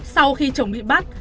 sau khi chồng bị bắt